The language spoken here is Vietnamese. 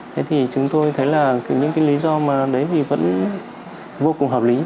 thế thì chúng tôi thấy là những cái lý do mà đấy thì vẫn vô cùng hợp lý